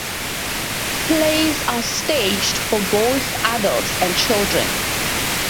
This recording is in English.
Plays are staged both for adults and children.